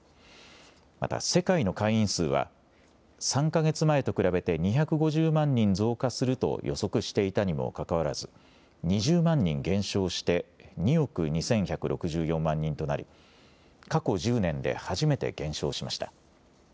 また世界の会員数は３か月前と比べて２５０万人増加すると予測していたにもかかわらず２０万人減少して２億２１６４万人となり過去１０年で初めて減少しました。